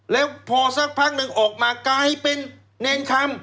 แล้วพอสักพักหนึ่งออกมากลายเป็นเนรคำ